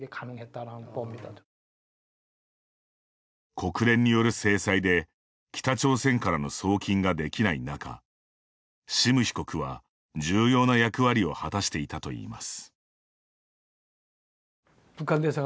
国連による制裁で北朝鮮からの送金ができない中シム被告は重要な役割を果たしていたといいます。